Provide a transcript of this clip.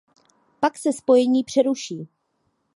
Pak se spojení přeruší.